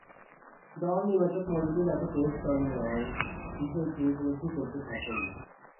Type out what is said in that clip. দল নির্বাচকমণ্ডলী তাকে টেস্ট দলে নেয়ার বিষয়টি উপলব্ধি করতে থাকেন।